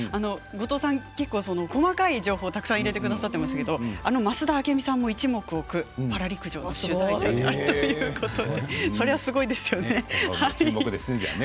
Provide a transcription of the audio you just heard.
後藤さん、細かい情報を入れてくださってましたがあの増田明美さんも一目置くパラ陸上の取材者だということでそれはすごいですよね。